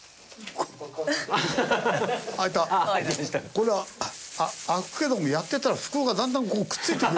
これ開くけどもやってたら袋がだんだんこうくっついてくる。